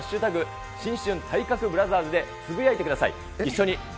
新春体格ブラザーズでつぶやいてください。